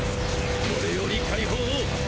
これより解放を！